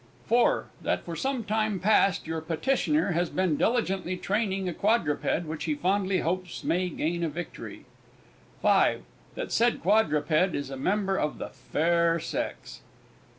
(4.) That for some time past your Petitioner has been diligently training a quadruped which he fondly hopes may gain a victory. (5.) That said quadruped is a member of the fair sex.